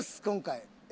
今回。